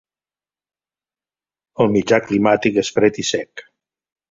El mitjà climàtic és fred i sec.